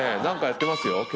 何かやってますよ。